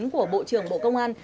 của bộ trưởng bộ công an